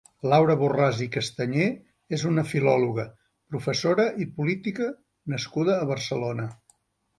Laura Borràs i Castanyer és una filòloga, professora i política nascuda a Barcelona.